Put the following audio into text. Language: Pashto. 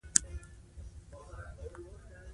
د ويلين ارمان و چې د سګرېټو دوکانونه ولري